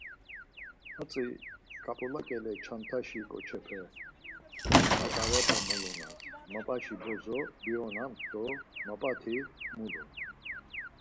Hatzi ǩap̌ula ǩele ç̌andaşi ǩoçepe, maǩarepe mulunan, Mapaşi bozo bionamt do Mapati mulun.